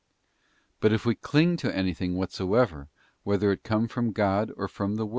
But if we cling to anything whatever, whether it come from God or from the world, we * S.